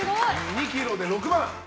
２ｋｇで６万！